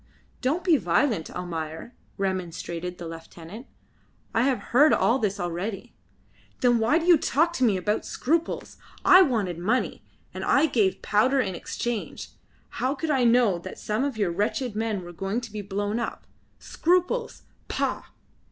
"Don't be violent, Almayer," remonstrated the lieutenant; "I have heard all this already." "Then why do you talk to me about scruples? I wanted money, and I gave powder in exchange. How could I know that some of your wretched men were going to be blown up? Scruples! Pah!"